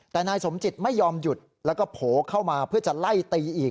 แต่นายสมจิตไม่ยอมหยุดแล้วก็โผล่เข้ามาเพื่อจะไล่ตีอีก